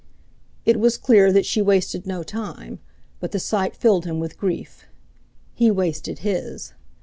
It was clear that she wasted no time, but the sight filled him with grief. He wasted his.